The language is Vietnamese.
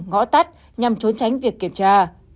ngõ tắt nhằm trốn tránh việc kiểm tra